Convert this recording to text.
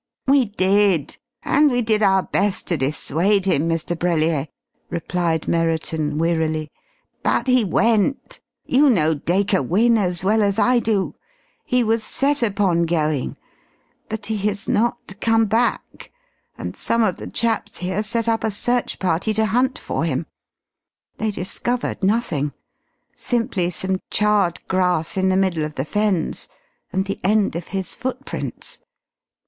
"We did. And we did our best to dissuade him, Mr. Brellier," replied Merriton wearily. "But he went. You know Dacre Wynne as well as I do. He was set upon going. But he has not come back, and some of the chaps here set up a search party to hunt for him. They discovered nothing. Simply some charred grass in the middle of the Fens and the end of his footprints....